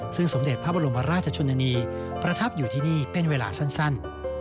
ซึ่งสมเด็จพระบรมราชชนนีประทับอยู่ที่นี่เป็นเวลาสั้น